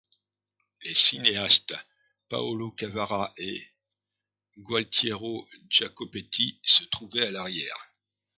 Les cinéastes Paolo Cavara et Gualtiero Jacopetti se trouvaient à l'arrière.